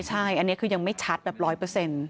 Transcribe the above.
ใช่อันนี้คือยังไม่ชัดแบบร้อยเปอร์เซ็นต์